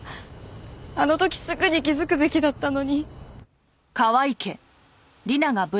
あの時すぐに気づくべきだったのに。